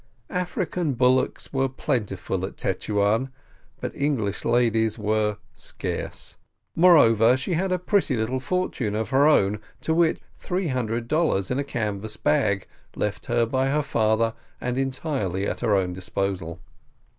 African bullocks were plentiful at Tetuan, but English ladies were scarce; moreover, she had a pretty little fortune of her own, to wit, three hundred dollars in a canvas bag, left her by her father, and entirely at her own disposal.